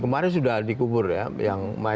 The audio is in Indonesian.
kemarin sudah dikubur ya